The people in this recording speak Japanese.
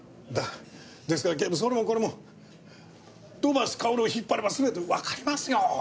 ですから警部それもこれも土橋かおるを引っ張れば全てわかりますよ！